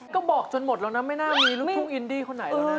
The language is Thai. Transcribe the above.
ก็บอกจนหมดแล้วนะไม่หน้ามีร่วมพูดอินดีคนไหนแล้วนะ